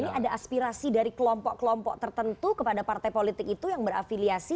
ini ada aspirasi dari kelompok kelompok tertentu kepada partai politik itu yang berafiliasi